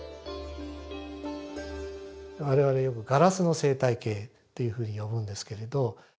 我々よくガラスの生態系っていうふうに呼ぶんですけれど。